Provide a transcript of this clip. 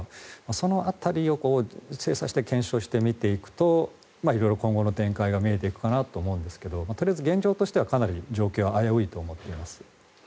その辺りを精査して検証して見ていくと色々、今後の展開が見えてくるかなと思うんですがとりあえず、現状としてはかなり危ういと思っています。